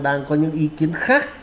đang có những ý kiến khác